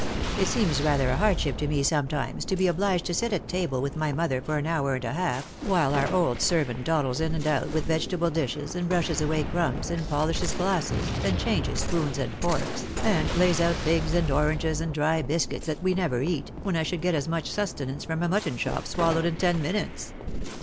It seems rather a hardship to me sometimes to be obliged to sit at table with my mother for an hour and a half, while our old servant dawdles in and out with vegetable dishes, and brushes away crumbs, and polishes glasses, and changes spoons and forks, and lays out figs and oranges and dry biscuits that we never eat, when I should get as much sustenance from a mutton chop swallowed in ten minutes."